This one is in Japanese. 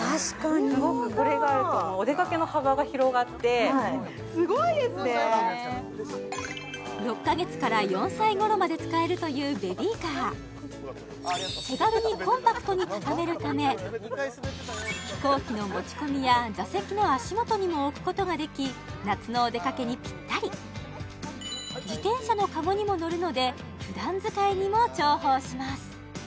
すごい確かにすごいですね６カ月から４歳ごろまで使えるというベビーカー手軽にコンパクトにたためるため飛行機の持ち込みや座席の足元にも置くことができ夏のお出かけにぴったり自転車のカゴにものるので普段使いにも重宝します